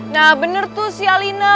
nah bener tuh si alina